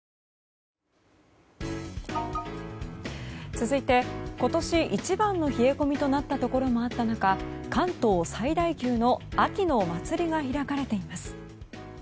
続いて今年一番の冷え込みとなったところもあった中関東最大級の秋の祭りが開かれています。